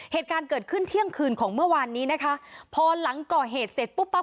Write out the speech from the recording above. เหตุการณ์เกิดขึ้นเที่ยงคืนของเมื่อวานนี้นะคะพอหลังก่อเหตุเสร็จปุ๊บปั๊บ